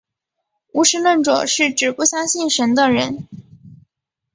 无神论者是指不相信神的人。